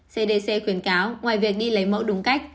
cdc khuyến cáo ngoài việc đi lấy mẫu đúng cách